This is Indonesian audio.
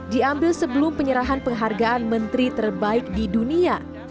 diambil sebelum penyerahan penghargaan menteri terbaik di dunia